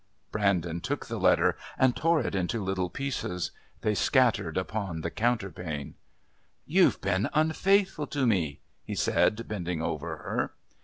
Brandon took the letter and tore it into little pieces; they scattered upon the counterpane. "You've been unfaithful to me?" he said, bending over her.